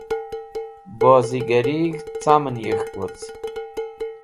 Bozigarig̃h camẽn yek̃hk woc